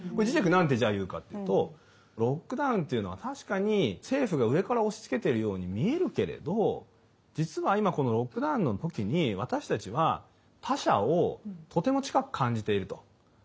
ジジェク何てじゃあ言うかっていうとロックダウンっていうのは確かに政府が上から押しつけてるように見えるけれど実は今このロックダウンの時に私たちは他者をとても近く感じていると。